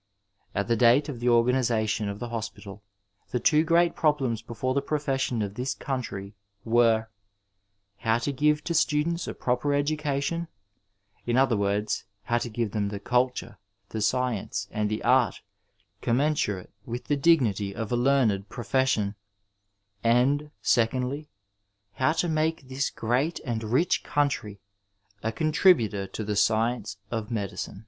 At the date of the organization of the hospital the two great problems before the profession of this oouniary were, how to give to students a proper education, in other words how to give them the culture, the science and the art com mensurate with the dignity of a learned profession ; and, secondly, how to make this great and rich country a contri butor to the science of medicine.